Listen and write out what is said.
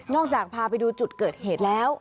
จากพาไปดูจุดเกิดเหตุแล้ว